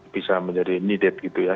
bisa menjadi nided gitu ya